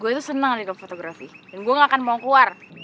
gue tuh senang nih club fotografi dan gue gak akan mau keluar